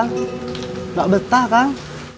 enggak betah kang